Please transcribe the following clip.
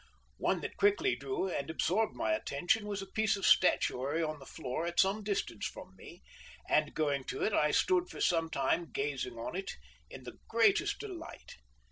One that quickly drew and absorbed my attention was a piece of statuary on the floor at some distance from me, and going to it I stood for some time gazing on it in the greatest delight.